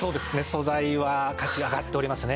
素材は価値が上がっておりますね。